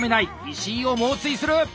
石井を猛追する！